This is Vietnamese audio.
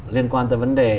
liên quan tới vấn đề